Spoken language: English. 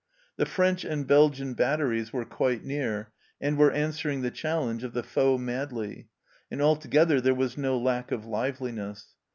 The French and Belgian batteries were quite near, and were answering the challenge of the foe madly, and altogether there was no lack of liveliness.